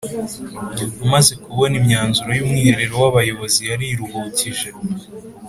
Amaze kubona imyanzuro y’umwiherero w’abayobozi yariruhukije